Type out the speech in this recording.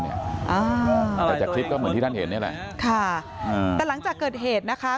แต่จากคลิปก็เหมือนที่ท่านเห็นนี่แหละค่ะแต่หลังจากเกิดเหตุนะคะ